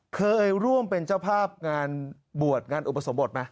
เคยร่วมเป็นเจ้าภาพงานบวชงานอุปสมบทไหม